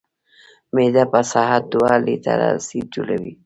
معده په ساعت دوه لیټره اسید جوړوي.